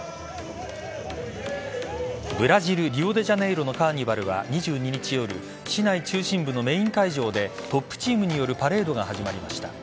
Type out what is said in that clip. ブラジルリオデジャネイロのカーニバルは２２日夜、市内中心部のメイン会場でトップチームによるパレードが始まりました。